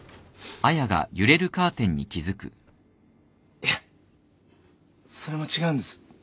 ・いえそれも違うんです。